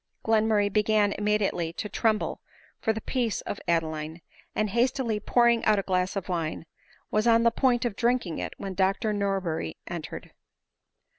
Glenmurray began immediately to tremble tor the peace of Adeline; and hastily pouring out a glass of wine, was on the point of drinking it when Dr Norberry entered.